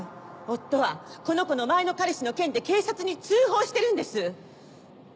夫はこの子の前の彼氏の件で警察に通報してるんです！